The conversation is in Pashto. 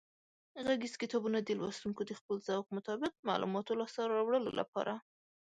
غږیز کتابونه د لوستونکو د خپل ذوق مطابق معلوماتو لاسته راوړلو لپاره